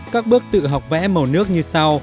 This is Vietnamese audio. các bước tự học vẽ màu nước như sau